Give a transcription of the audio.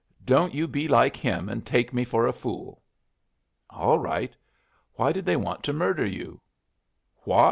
Don't you be like him and take me for a fool." "All right. Why did they want to murder you?" "Why?"